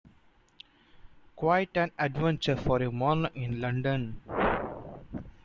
Quite an adventure for a morning in London!